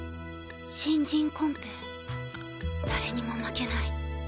新人コンペ誰にも負けない。